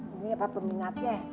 ini apa peminatnya